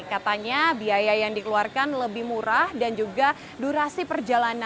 katanya biaya yang dikeluarkan lebih murah dan juga durasi perjalanan lebih singkat